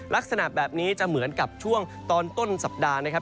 ลักษณะแบบนี้จะเหมือนกับช่วงตอนต้นสัปดาห์นะครับ